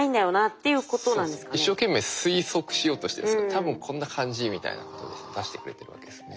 「多分こんな感じ」みたいなことで出してくれてるわけですね。